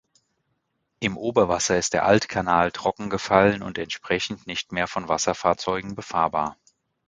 Im Oberwasser ist der Altkanal trockengefallen und entsprechend nicht mehr von Wasserfahrzeugen befahrbar.